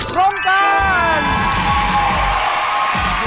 พร้อมกัน